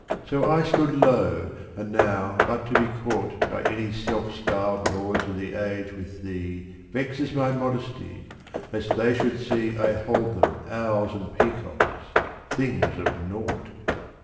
So I stood low, and now but to be caught By any self styled lords of the age with thee Vexes my modesty, lest they should see I hold them owls and peacocks, things of nought.